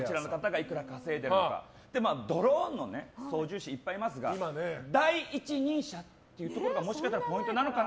ドローンの操縦士いっぱいいますが第一人者っていうところがポイントなのかな。